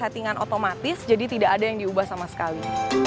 settingan otomatis jadi tidak ada yang diubah sama sekali